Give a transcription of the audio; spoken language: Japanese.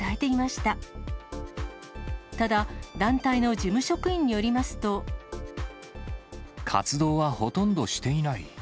ただ、団体の事務職員によりますと。活動はほとんどしていない。